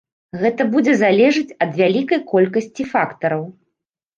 Гэта будзе залежаць ад вялікай колькасці фактараў.